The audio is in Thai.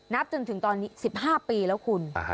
จนถึงตอนนี้๑๕ปีแล้วคุณ